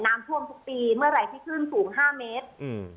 น้ำท่วมทุกปีเมื่อไหร่ที่ขึ้นสูง๕เมตร